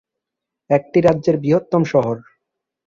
এটি রাজ্যের বৃহত্তম শহর।